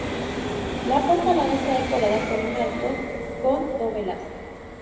La portalada está decorada con un arco con dovelas.